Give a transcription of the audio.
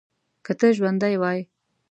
که ته ژوندی وای.